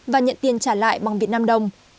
và nhận tiền trả lại bằng việt nam đồng